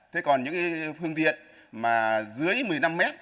thế còn những phương tiện mà dưới một mươi năm mét